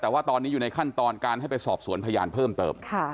แต่ว่าตอนนี้อยู่ในขั้นตอนการให้ไปสอบสวนพยานเพิ่มเติม